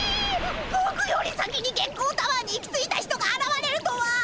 ぼくより先に月光タワーに行き着いた人があらわれるとは。